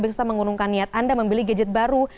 biasanya menggunungkan niat anda membeli gadget baru